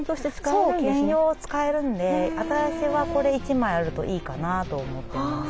そう兼用使えるんで私はこれ１枚あるといいかなと思ってます。